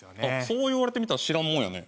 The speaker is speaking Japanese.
そう言われてみたら知らんもんやね。